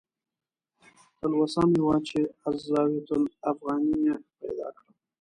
تلوسه مې وه چې "الزاویة الافغانیه" پیدا کړم.